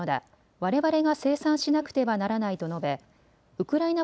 われわれが生産しなくてはならないと述べウクライナ